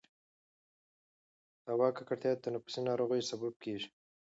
د هوا ککړتیا د تنفسي ناروغیو سبب کېږي.